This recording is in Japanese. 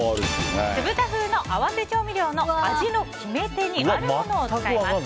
酢豚風の合わせ調味料の味の決め手にあるものを使います。